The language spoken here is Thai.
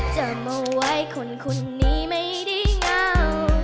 จำเอาไว้คุณคนนี้ไม่ได้เหงา